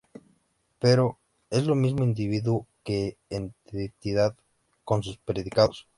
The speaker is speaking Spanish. Pero... ¿Es lo mismo individuo, que identidad con sus predicados?